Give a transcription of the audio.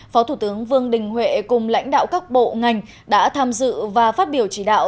phó thủ tướng vương đình huệ cùng lãnh đạo các bộ ngành đã tham dự và phát biểu chỉ đạo